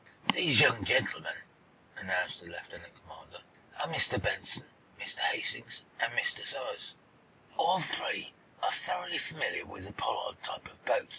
"These young gentlemen," announced the lieutenant commander, "are Mr. Benson, Mr. Hastings and Mr. Somers. All three are thoroughly familiar with the Pollard type of boat.